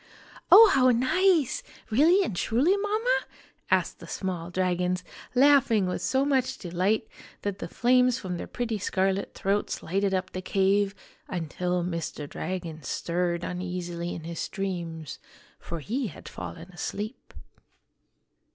"Oh, how nice! Really and truly, Mama?" asked the small dragons, lano hmo with so much delight that the flames from their <> O O O pretty scarlet throats lighted up the cave until Mr. Dragon stirred uneasily in his dreams ; for he had fallen asleep.